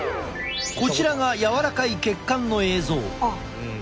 こちらが柔らかい血管の映像。